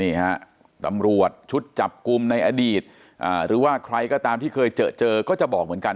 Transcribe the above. นี่ฮะตำรวจชุดจับกลุ่มในอดีตหรือว่าใครก็ตามที่เคยเจอเจอก็จะบอกเหมือนกัน